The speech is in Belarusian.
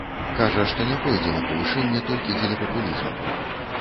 Кажа, што не пойдзе на павышэнне толькі дзеля папулізму.